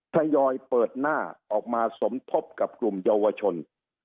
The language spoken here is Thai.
ทยอยเปิดหน้าออกมาสมทบกับกลุ่มเยาวชน